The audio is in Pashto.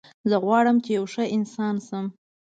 زه غواړم چې یو ښه انسان شم